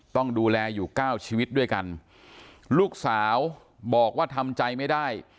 ต้องดูแลอยู่เก้าชีวิตด้วยกันลูกสาวบอกว่าทำใจไม่ได้